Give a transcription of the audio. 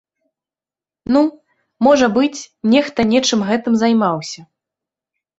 Ну, можа быць, нехта нечым гэтым займаўся.